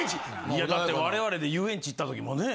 いやだって我々で遊園地行った時もね？